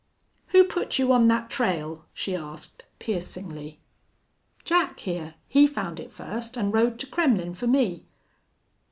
"Who put you on that trail?" she asked, piercingly. "Jack, hyar. He found it fust, an' rode to Kremmlin' fer me."